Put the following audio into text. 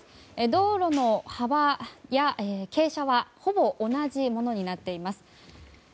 道路の幅や傾斜はほぼ同じものになっています。